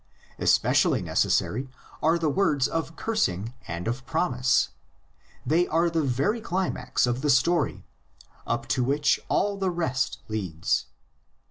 Especially necessary are the words of cursing and of promise; they are the very climax of the story, up to which all the rest leads.